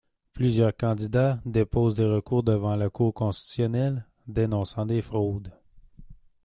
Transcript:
Plusieurs candidats déposent des recours devant la Cour constitutionnelle, dénonçant des fraudes.